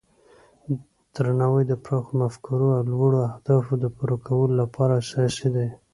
درناوی د پراخو مفکورو او لوړو اهدافو د پوره کولو لپاره اساسي دی.